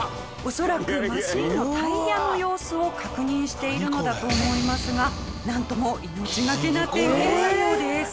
恐らくマシンのタイヤの様子を確認しているのだと思いますがなんとも命がけな点検作業です。